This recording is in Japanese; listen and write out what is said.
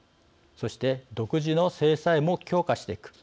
そして独自の制裁も強化していく。